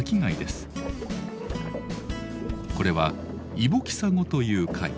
これはイボキサゴという貝。